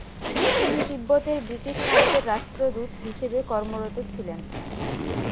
তিনি "তিব্বতের ব্রিটিশ ভারতের রাষ্ট্রদূত" হিসেবে কর্মরত ছিলেন।